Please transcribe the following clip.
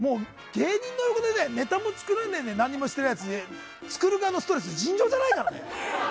芸人の横でネタも作らないで何にもしてないやついたら作る側のストレス尋常じゃないからね。